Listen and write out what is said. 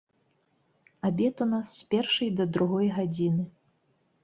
Абед у нас з першай да другой гадзіны.